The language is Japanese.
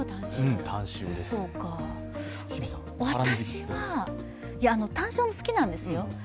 私は、タン塩も好きなんですよ。